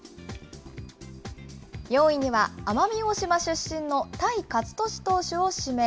４位には、奄美大島出身の泰勝利投手を指名。